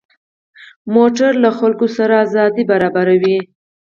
موټر له خلکو سره ازادي برابروي.